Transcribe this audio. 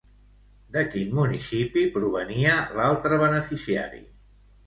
De quin municipi provenia l'altre beneficiari?